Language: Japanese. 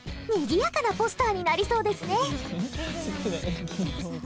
にぎやかなポスターになりそうですね。